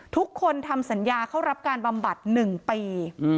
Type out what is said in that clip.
ทำสัญญาเข้ารับการบำบัด๑ปี